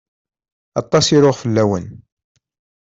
Aṭas i ruɣ fell-awen.